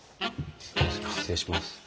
失礼します。